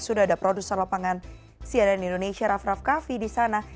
sudah ada produser lapangan cnn indonesia raff raff kaffi di sana